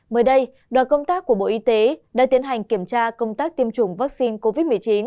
mới đây đoàn công tác của bộ y tế đã tiến hành kiểm tra công tác tiêm chủng vaccine covid một mươi chín